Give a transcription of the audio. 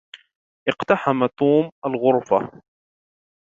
اقتحم توم الغرفة.